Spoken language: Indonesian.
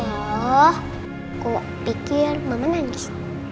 nah pikir mama nangis